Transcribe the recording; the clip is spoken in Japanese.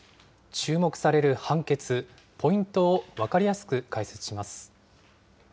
注目される判決、ポイントを分かりやすく解説します。